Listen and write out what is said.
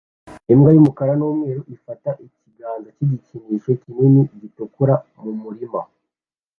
Imbwa y'umukara n'umweru ifata ikiganza cy'igikinisho kinini gitukura mu murima